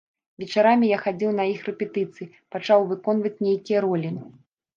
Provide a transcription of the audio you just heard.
Вечарамі я хадзіў на іх рэпетыцыі, пачаў выконваць нейкія ролі.